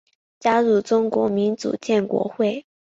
加入中国民主建国会。